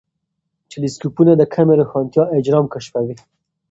ټیلېسکوپونه د کمې روښانتیا اجرام کشفوي.